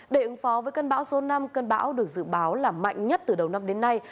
để ứng phó với cơn bão số năm cơn bão được dự báo là mạnh nhất từ đầu năm đến nay